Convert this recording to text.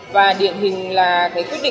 và điện hình là quyết định sáu mươi tám ra đời